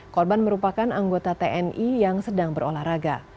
korban merupakan anggota tni yang sedang berolahraga